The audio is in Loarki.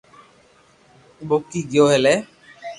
روڪيو ڪوئي ني